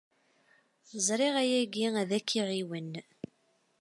Ẓriɣ ayagi ad ak-iɛiwen.